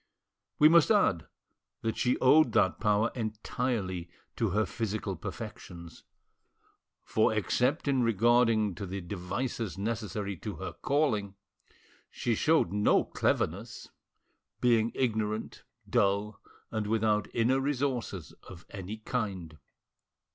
We must add that she owed that power entirely to her physical perfections, for except in regard to the devices necessary to her calling, she showed no cleverness, being ignorant, dull and without inner resources of any kind.